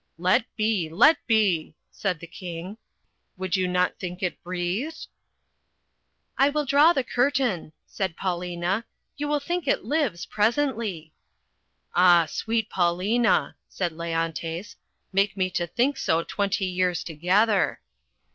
"Let be, let be!" said the King. "Would you not think it breathed ?" "I will draw the curtain," said Paulina, "you will think it lives presently." "Ah, sweet Paulina," said Leontes, "make me to think so twenty years together."